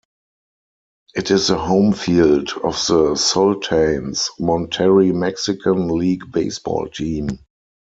It is the home field of the Sultanes Monterrey Mexican League baseball team.